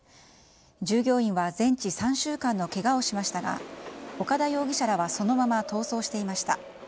従業員は全治３週間のけがをしましたが岡田容疑者らはそのまま逃走していました。